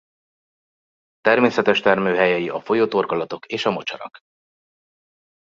Természetes termőhelyei a folyótorkolatok és a mocsarak.